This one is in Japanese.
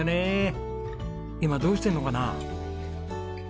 今どうしてるのかな？